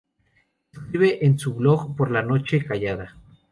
Escribe en su blog "Por la noche callada".